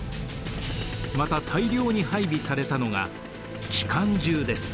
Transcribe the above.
また大量に配備されたのが機関銃です。